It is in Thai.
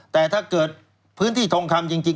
แต่ถ้าเกิดพื้นที่ทองคำจริง